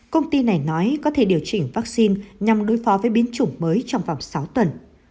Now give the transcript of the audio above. công ty này nói có thể điều chỉnh vaccine nhằm đối phó với biến chủng mới trong vòng sáu tuần